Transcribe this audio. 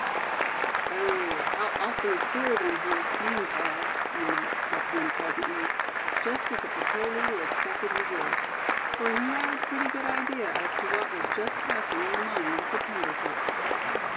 "Ooh! how awfully queer them howls seem, Thad!" remarked Step Hen, presently, just as the patrol leader expected he would; for he had a pretty good idea as to what was just passing in the mind of the tenderfoot.